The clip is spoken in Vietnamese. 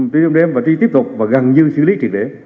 truy trong đêm và truy tiếp tục và gần như xử lý triệt để